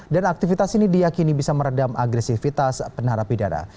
dan aktivitas ini diakini bisa meredam agresivitas penara pidara